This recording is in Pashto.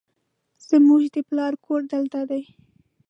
زموږ د پلار کور دلته دی